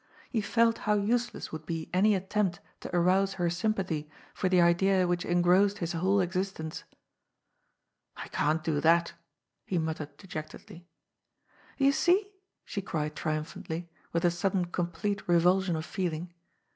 He felt how useless would be any attempt to arouse her sympathy for the idea which engrossed his whole existence. ^' I can't do that,'' he muttered dejectedly. ^^ You see !" she cried triumphantiy, with a sudden com plete revulsion of feeling.